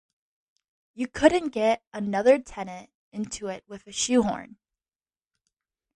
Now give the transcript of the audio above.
You couldn't get another tenant into it with a shoehorn.